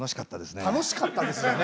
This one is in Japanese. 楽しかったですね。